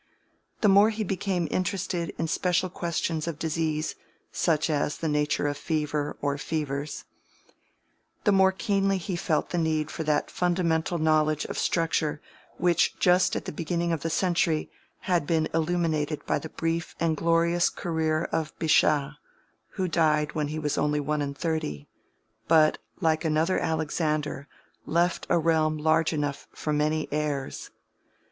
The more he became interested in special questions of disease, such as the nature of fever or fevers, the more keenly he felt the need for that fundamental knowledge of structure which just at the beginning of the century had been illuminated by the brief and glorious career of Bichat, who died when he was only one and thirty, but, like another Alexander, left a realm large enough for many heirs.